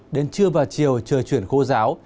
đến trưa và chiều trời chuyển khô ráo